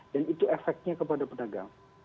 dan itu efeknya kepada pedagang